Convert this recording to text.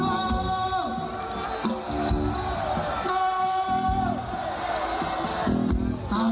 สวัสดิกัน